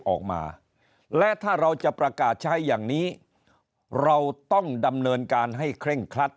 ออกมาและถ้าเราจะประกาศใช้อย่างนี้เราต้องดำเนินการให้เคร่งครัด